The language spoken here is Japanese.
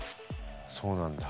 そうなんだ。